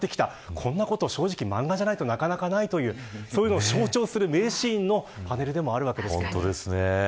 こんなことは正直漫画じゃないとなかなかないというそれを象徴する名シーンのパネルでもあります。